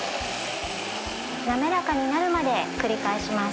滑らかになるまで繰り返します。